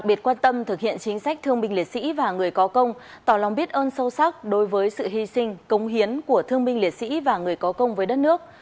đặc biệt quan tâm thực hiện chính sách thương binh liệt sĩ và người có công tỏ lòng biết ơn sâu sắc đối với sự hy sinh công hiến của thương binh liệt sĩ và người có công với đất nước